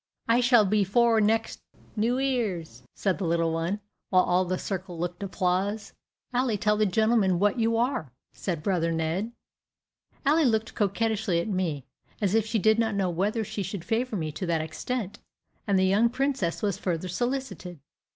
"I s'all be four next New 'Ear's," said the little one, while all the circle looked applause. "Ally, tell the gentleman what you are," said brother Ned. Ally looked coquettishly at me, as if she did not know whether she should favor me to that extent, and the young princess was further solicited.